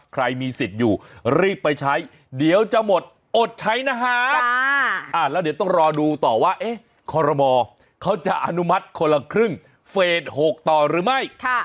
ใครมีสิทธิ์อยู่รีบไปใช้เดี๋ยวจะหมดอดใช้นะครับแล้วเดี๋ยวต้องรอดูต่อว่าคอรมอเขาจะอนุมัติคนละครึ่งเฟส๖ต่อหรือไม่